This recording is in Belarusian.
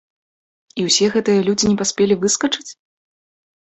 І ўсе гэтыя людзі не паспелі выскачыць?